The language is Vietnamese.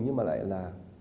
nhưng mà lại là